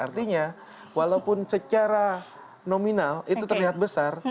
karena walaupun secara nominal itu terlihat besar